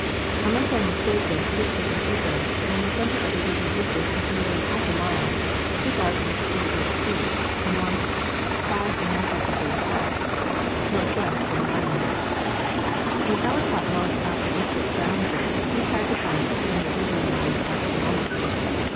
Unless I am mistaken, this is an error, and the center of the original District is nearly half a mile (2,048 feet N. 502° W.) northwest from the monument. ; When Ellicott marked out the District boundary he had to find a true meridian line astronomically.